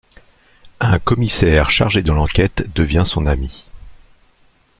Un commissaire chargé de l’enquête devient son ami...